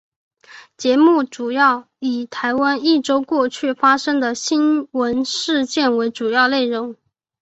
节目主要以台湾一周过去发生的新闻事件为主要内容。